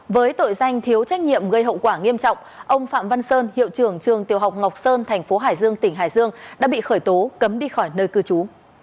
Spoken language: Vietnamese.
với tội danh thiếu trách nhiệm gây hậu quả nghiêm trọng ông phạm văn sơn hiệu trưởng trường tiểu học ngọc sơn thành phố hải dương tỉnh hải dương đã bị khởi tố cấm đi khỏi nơi cư trú